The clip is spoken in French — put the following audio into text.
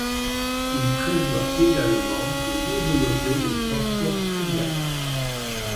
Il prévoit également de développer le transport fluvial.